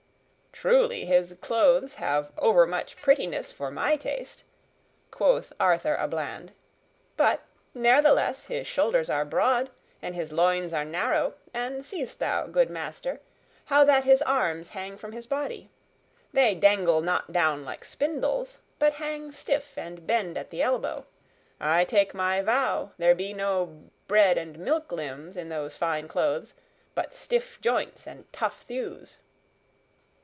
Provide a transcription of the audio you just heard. "Truly, his clothes have overmuch prettiness for my taste," quoth Arthur a Bland, "but, ne'ertheless, his shoulders are broad and his loins are narrow, and seest thou, good master, how that his arms hang from his body? They dangle not down like spindles, but hang stiff and bend at the elbow. I take my vow, there be no bread and milk limbs in those fine clothes, but stiff joints and tough thews."